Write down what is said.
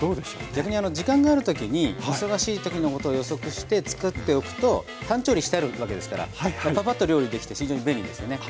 逆に時間がある時に忙しい時のことを予測して作っておくと半調理してあるわけですからパパパッと料理できて非常に便利ですよね。